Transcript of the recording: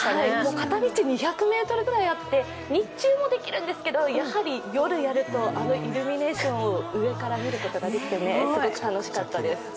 片道２００ｍぐらいあって、日中もできるんですけど、やはり夜やるとあのイルミネーションを見ることができてすごく楽しかったです。